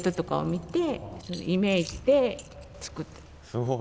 すごい。